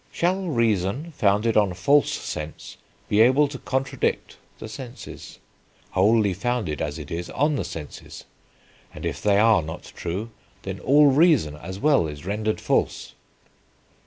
Shall reason, founded on false sense, be able to contradict [the senses], wholly founded as it is on the senses? And if they are not true, then all reason as well is rendered false."